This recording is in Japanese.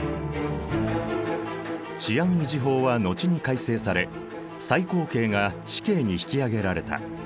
治安維持法は後に改正され最高刑が死刑に引き上げられた。